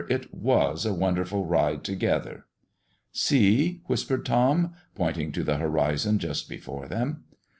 it was a wonderful ride altogether. "See!" whispered Tom, pointing to the horizon just before them.